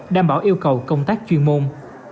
đảm bảo yêu cầu công tác chuyên môn